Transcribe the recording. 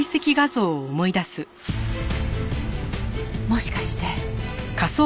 もしかして。